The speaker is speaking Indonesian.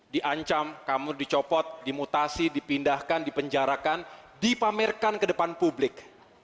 diancam kamu dicopot dimutasi dipindahkan dipenjarakan dipamerkan ke depan publik